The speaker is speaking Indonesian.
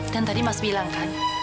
dan tadi mas bilang kan